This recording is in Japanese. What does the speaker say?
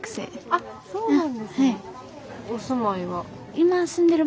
あっそうなんですね。